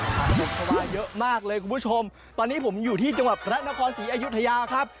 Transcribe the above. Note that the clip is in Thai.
ผักบุษวาเยอะมากเลยคุณผู้ชมตอนนี้ผมอยู่ที่จังหวัดพระนครศรีอยุธยาครับ